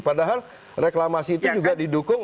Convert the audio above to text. padahal reklamasi itu juga didukung